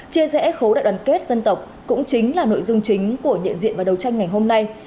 chia rẽ khối đại đoàn kết dân tộc cũng chính là nội dung chính của nhận diện và đấu tranh ngày hôm nay